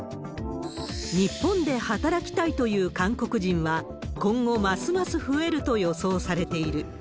日本で働きたいという韓国人は、今後、ますます増えると予想されている。